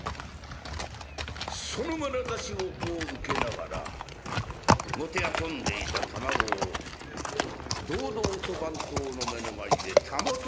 そのまなざしをこう受けながら弄んでいた玉子を堂々と番頭の目の前でたもとに入れた。